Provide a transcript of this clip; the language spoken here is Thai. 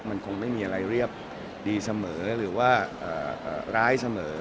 มันคงไม่มีอะไรเรียบดีเสมอหรือว่าร้ายเสมอ